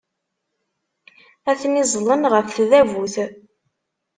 Atni ẓẓlen ɣef tdabut.